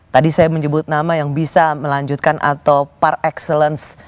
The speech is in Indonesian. tadi saya menyebut nama yang bisa melanjutkan atau park excellence